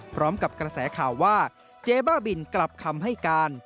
พร้อมกับกระแสข่าวว่าเจ๊บ้าบินกลับคำให้การ